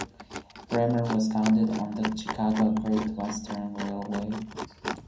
Bremer was founded on the Chicago Great Western Railway.